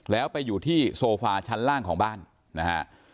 แล้วไปอยู่ที่โซฟาชั้นล่างของบ้านนะฮะ